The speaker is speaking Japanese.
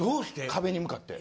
壁に向かって。